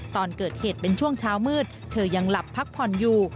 ตอนเกิดเหตุเป็นช่วงเช้ามืดเธอยังหลับพักผ่อนอยู่